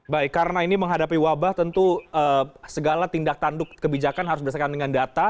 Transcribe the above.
baik karena ini menghadapi wabah tentu segala tindak tanduk kebijakan harus berdasarkan dengan data